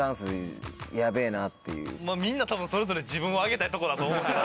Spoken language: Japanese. みんな多分それぞれ自分をあげたいとこだと思う。